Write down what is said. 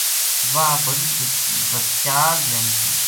واہ بڑی بدچال دھیانی تھی